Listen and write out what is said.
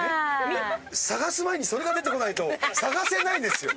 捜す前にそれが出て来ないと捜せないですよ。